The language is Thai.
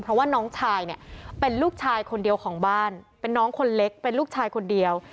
เพราะว่าน้องชายเนี่ยเป็นลูกชายคนเดียวของบ้านเป็นน้องคนเล็กเป็นลูกชายคนเดียว